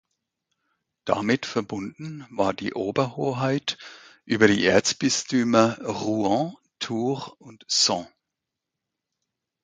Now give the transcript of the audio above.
Damit verbunden war die Oberhoheit über die Erzbistümer Rouen, Tours und Sens.